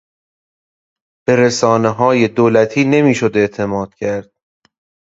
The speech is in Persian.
به رسانههای دولتی نمیشد اعتماد کرد.